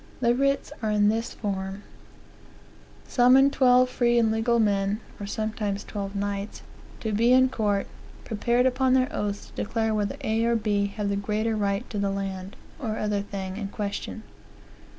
The writs are in this form: "Summon twelve free and legal men (or sometimes twelve knights) to be in court, prepared upon their oaths to declare whether A or B have the greater right to the land {or other thing) in question."